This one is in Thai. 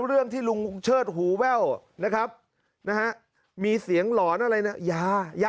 เรื่องที่ลุงเชิดหูแว่วมีเสียงหลอนอะไรอย่า